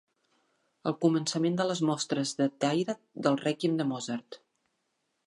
El començament de les mostres de "Tired" del Rèquiem de Mozart.